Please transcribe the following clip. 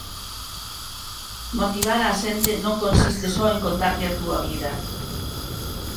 Motivar a xente non consiste só en contarlle a túa vida.